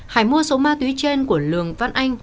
hải mua số ma túy trên của lường văn anh